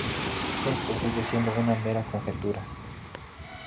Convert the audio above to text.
Esto sigue siendo una mera conjetura.